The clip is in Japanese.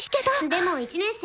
でも１年生。